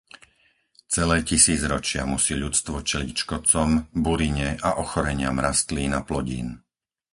Celé tisícročia musí ľudstvo čeliť škodcom, burine a ochoreniam rastlín a plodín.